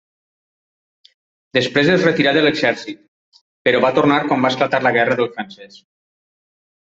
Després es retirà de l'exèrcit, però va tornar quan va esclatar la guerra del francès.